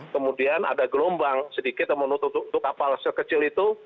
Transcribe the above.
kemudian ada gelombang sedikit yang menutup kapal sekecil itu